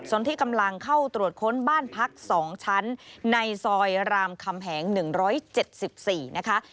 ส่วนที่กำลังเข้าตรวจค้นบ้านพัก๒ชั้นในซอยรามคำแหง๑๗๔นะคะ